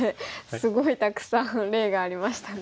すごいたくさん例がありましたね。